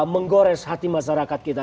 menggores hati masyarakat kita